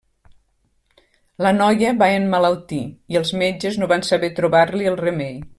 La noia va emmalaltir i els metges no van saber trobar-li el remei.